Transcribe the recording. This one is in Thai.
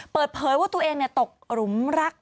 เปิดเผยว่าตัวเองตกหลุมรัก